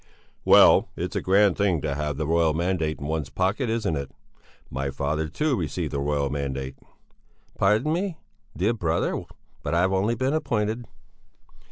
"Well, it's a grand thing to have the royal mandate in one's pocket, isn't it? My father, too, received a royal mandate...." "Pardon me, dear brother, but I've only been appointed."